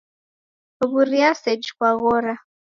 W'uria seji kwaghora?